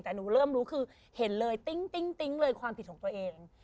แต่หนูเริ่มรู้คือเห็นเลยติ๊งเลยความผิดของตัวเอง